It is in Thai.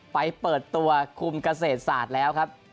เปิดตัวคุมเกษตรศาสตร์แล้วครับ